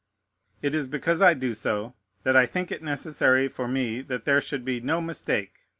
It is because I do so that I think it necessary for me that there should be no mistake.